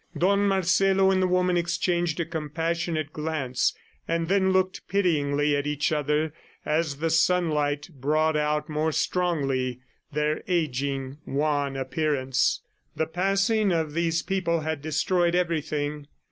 Don Marcelo and the woman exchanged a compassionate glance, and then looked pityingly at each other as the sunlight brought out more strongly their aging, wan appearance. The passing of these people had destroyed everything.